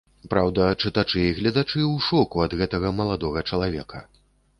Праўда, чытачы і гледачы ў шоку ад гэтага маладога чалавека.